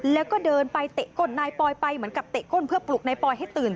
แล้วก็เดินไปเตะก้นนายปอยไปเหมือนกับเตะก้นเพื่อปลุกนายปอยให้ตื่น